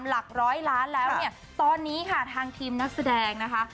หลักร้อยล้านแล้วเนี่ยตอนนี้ค่ะทางทีมนักแสดงนะคะ